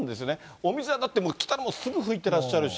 お店はだって、来たらもうすぐ拭いていらっしゃるし。